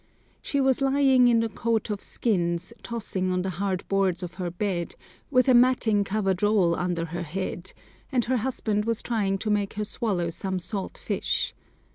She was lying in a coat of skins, tossing on the hard boards of her bed, with a matting covered roll under her head, and her husband was trying to make her swallow some salt fish.